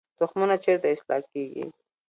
تخمونه چیرته اصلاح کیږي؟